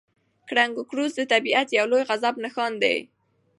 کړنګ او کړوس د طبیعت د لوی غضب یو نښان دی.